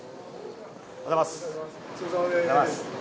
おはようございます。